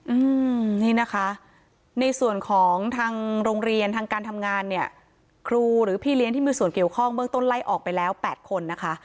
อืมนี่นะคะในส่วนของทางโรงเรียนทางการทำงานเนี่ยครูหรือพี่เลี้ยงที่มีส่วนเกี่ยวข้องเบื้องต้นไล่ออกไปแล้วแปดคนนะคะ